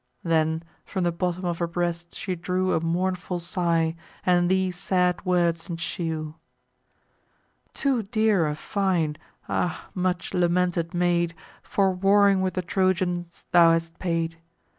Then, from the bottom of her breast, she drew A mournful sigh, and these sad words ensue: "Too dear a fine, ah, much lamented maid, For warring with the Trojans, thou hast paid!